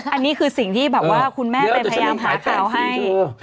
อันนี้คือสิ่งที่แบบว่าคุณแม่ไปพยายามหาข่าวให้